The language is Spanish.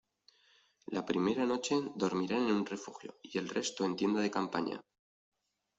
La primera noche dormirán en un refugio y el resto en tienda de campaña.